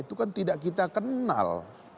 itu kan tidak kita kenal